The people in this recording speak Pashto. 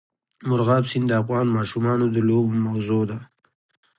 مورغاب سیند د افغان ماشومانو د لوبو موضوع ده.